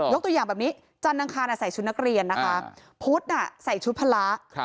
ตัวอย่างแบบนี้จันทร์อังคารใส่ชุดนักเรียนนะคะพุทธใส่ชุดพละ